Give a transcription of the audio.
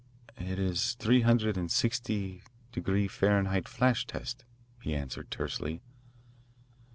"It is three hundred and sixty degree Fahrenheit flash test," he answered tersely.